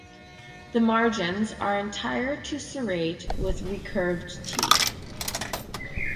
The margins are entire to serrate with recurved teeth.